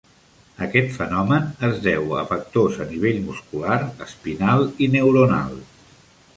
Aquest fenomen es deu a factors a nivell muscular, espinal i neuronal.